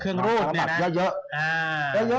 เครื่องรูปมีบัตรเยอะ